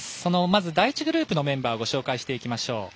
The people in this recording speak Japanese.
まず第１グループのメンバーをご紹介しましょう。